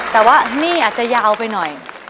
แต่ว่านี่อาจจะยาวไปหน่อย